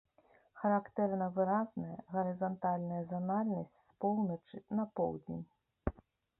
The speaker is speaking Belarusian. Характэрна выразная гарызантальная занальнасць з поўначы на поўдзень.